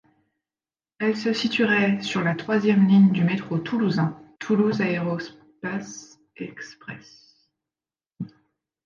Elle se situerait sur la troisième ligne du métro toulousain, Toulouse Aerospace Express.